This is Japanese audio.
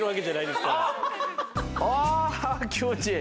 ああ気持ちいい。